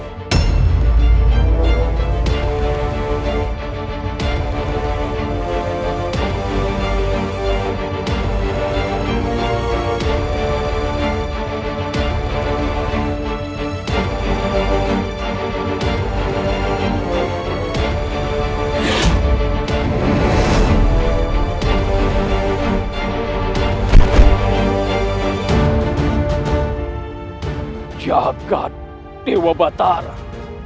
mereka tidak dipe gidikan